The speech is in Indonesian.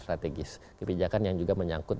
strategis kebijakan yang juga menyangkut